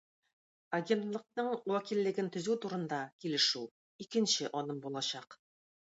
Агентлыкның вәкиллеген төзү турында килешү - икенче адым булачак.